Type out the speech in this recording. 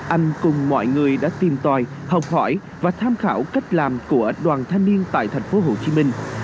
anh cùng mọi người đã tìm tòi học hỏi và tham khảo cách làm của đoàn thanh niên tại thành phố hồ chí minh